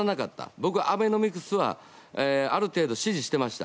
僕はアベノミクスはある程度支持していました。